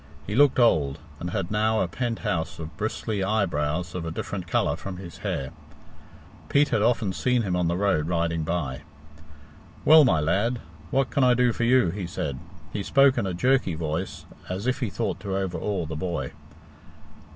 He looked old, and had now a pent house of bristly eyebrows of a different colour from his hair. Pete had often seen him on the road riding by. "Well, my lad, what can I do for you?" he said. He spoke in a jerky voice, as if he thought to overawe the boy.